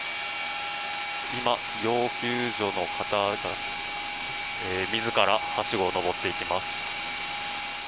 今、要救助の方が自らはしごを上っていきます。